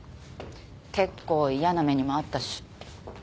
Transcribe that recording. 結構嫌な目にも遭ったし。